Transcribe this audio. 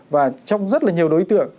và trong rất là nhiều đối tượng